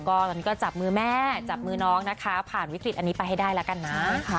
ตอนนี้ก็จับมือแม่จับมือน้องนะคะผ่านวิกฤตอันนี้ไปให้ได้แล้วกันนะ